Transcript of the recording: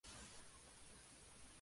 Me sentía normal.